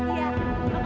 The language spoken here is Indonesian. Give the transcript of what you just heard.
iya makasih ya res